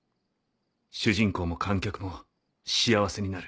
主人公も観客も幸せになる。